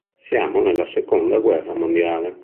Siamo nella seconda guerra mondiale.